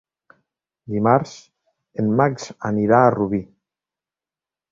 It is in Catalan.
Dimarts en Max anirà a Rubí.